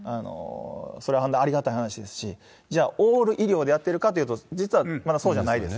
それは本当ありがたい話ですし、じゃあ、オール医療でやってるかというと、実はまだそうじゃないです。